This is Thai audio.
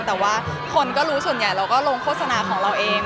แต่ว่าคนก็รู้ส่วนใหญ่เราก็ลงโฆษณาของเราเอง